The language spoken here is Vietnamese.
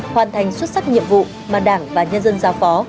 hoàn thành xuất sắc nhiệm vụ mà đảng và nhân dân giao phó